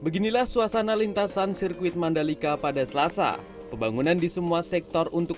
beginilah suasana lintasan sirkuit mandalika pada selasa pembangunan di semua sektor untuk